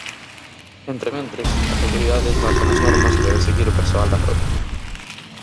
Entrementres, as autoridades marcan as normas que debe seguir o persoal da frota.